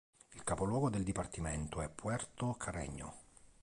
Il capoluogo del dipartimento è Puerto Carreño.